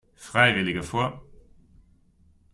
Freiwillige vor!